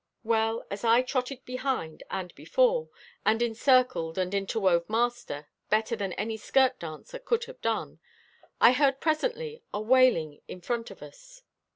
Well, as I trotted behind and before, and encircled and interwove master, better than any skirt dancer could have done, I heard presently a wailing in front of us.